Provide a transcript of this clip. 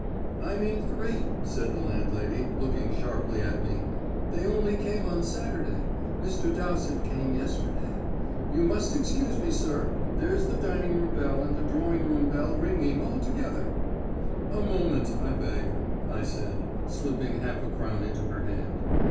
"I mean three," said the landlady, looking sharply at me. "They only came on Saturday; Mr. Dowsett came yesterday. You must excuse me, sir; there's the dining room bell and the drawing room bell ringing all together." "A moment, I beg," I said, slipping half a crown into her hand.